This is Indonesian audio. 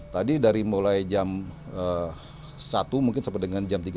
tadi dari mulai jam satu mungkin sampai dengan jam tiga puluh